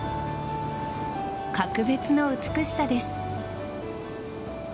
格別の美しさです。